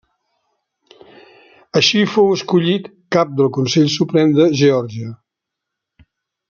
Així fou escollit cap del Consell Suprem de Geòrgia.